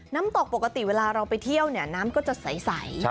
น้ำตกปกติเวลาเราไปเที่ยวเนี่ยน้ำก็จะใส